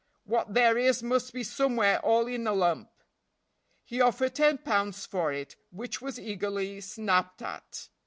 "What there is must be somewhere all in a lump." He offered ten pounds for it, which was eagerly snapped at.